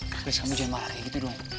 chris kamu jangan marah kayak gitu doang